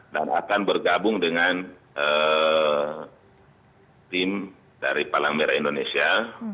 dan akan bergabung dengan tim dari palang merah indonesia